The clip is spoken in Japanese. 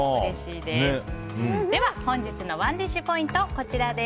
では本日のＯｎｅＤｉｓｈポイント。